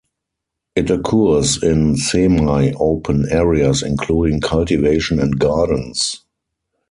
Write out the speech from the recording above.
It occurs in semi-open areas including cultivation and gardens.